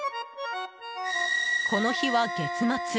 この日は月末。